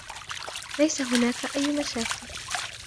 ليس هناك أي مشاكل.